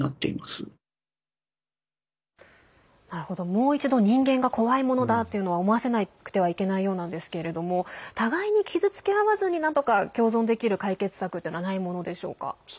もう一度人間が怖いものだというのを思わせなくてはいけないようなんですけれども互いに傷つけ合わずになんとか共存できる解決策というのはないものでしょうか？